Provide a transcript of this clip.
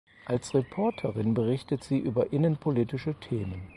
Als Reporterin berichtet sie über innenpolitische Themen.